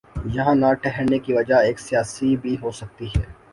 یہاں نہ ٹھہرنے کی ایک وجہ سیاسی بھی ہو سکتی ہے۔